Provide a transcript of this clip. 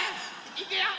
いくよ！